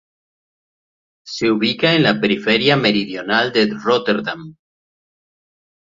Se ubica en la periferia meridional de Róterdam.